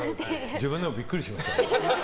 自分でもビックリしました。